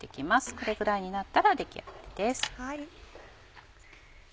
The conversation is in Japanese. これぐらいになったら出来上がりです。